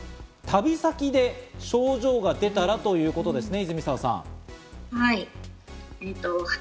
旅先で症状が出たらということですね。